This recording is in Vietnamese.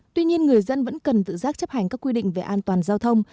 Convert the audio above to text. tuy nhiên người dân vẫn cần tự giác chấp hành các quy định về an toàn giao thông